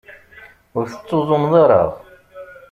Ur tettuẓumeḍ ara.